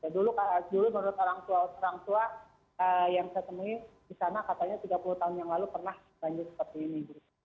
dulu menurut orang tua yang saya temui di sana katanya tiga puluh tahun yang lalu pernah banjir seperti ini